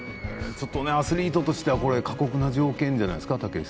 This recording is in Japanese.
アスリートとしては過酷な条件じゃないですか。